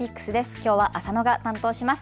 きょうは浅野が担当します。